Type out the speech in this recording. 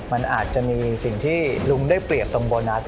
มันอาจจะมีสิ่งที่ลุงได้เปรียบตรงโบนัส